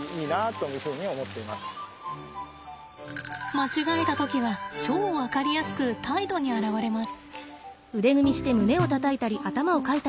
間違えた時は超分かりやすく態度に表れます。